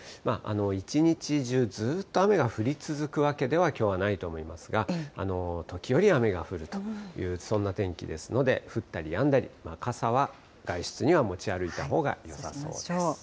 一日中ずっと雨が降り続くわけでは、きょうはないと思いますが、時折雨が降るという、そんな天気ですので、降ったりやんだり、傘は外出には持ち歩いたほうがよさそうです。